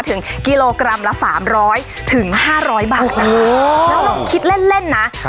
ถึงกิโลกรัมละสามร้อยถึงห้าร้อยบาทนะคะโอ้โหแล้วต้องคิดเล่นเล่นนะค่ะ